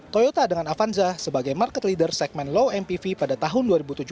toyota dengan avanza sebagai market leader segmen low mpv pada tahun dua ribu tujuh belas